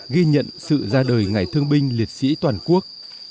ghi nhận sự ra đời ngài thương binh liệt sĩ toàn quốc